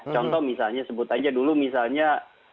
contoh misalnya sebut aja dulu misalnya